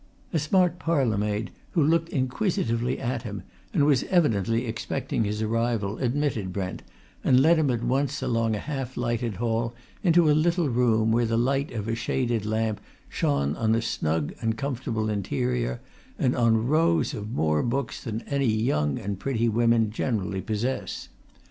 A smart parlour maid, who looked inquisitively at him, and was evidently expecting his arrival, admitted Brent, and led him at once along a half lighted hall into a little room, where the light of a shaded lamp shone on a snug and comfortable interior and on rows of more books than young and pretty women generally possess.